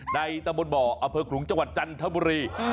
ในตะบดบ่ออเผิกหลุงจังหวัดจันทรัพย์บุรี